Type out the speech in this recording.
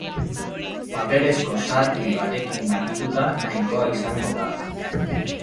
Paperezko zapi batekin garbituta nahikoa izango da.